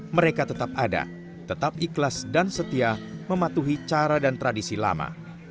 mereka tetap ada tetap ikhlas dan setia mematuhi cara dan tradisi lama